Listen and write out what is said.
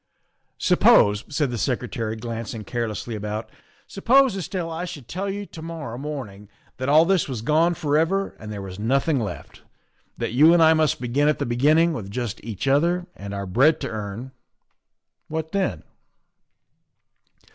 " Suppose," said the Secretary, glancing carelessly about, " suppose, Estelle, I should tell you to morrow morning that all this was gone forever and there was THE SECRETARY OF STATE 131 nothing left. That you and I must begin at the begin ning with just each other and our bread to earn, what then?"